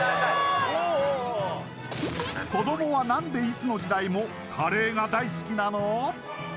子どもは何でいつの時代もカレーが大好きなの？